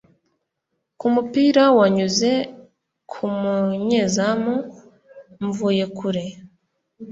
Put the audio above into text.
Ku mupira wanyuze ku munyezamu Mvuyekure